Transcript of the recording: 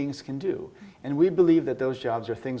di sini untuk melakukan sesuatu yang